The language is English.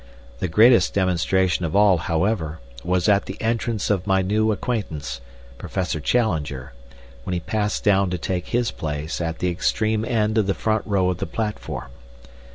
The greatest demonstration of all, however, was at the entrance of my new acquaintance, Professor Challenger, when he passed down to take his place at the extreme end of the front row of the platform.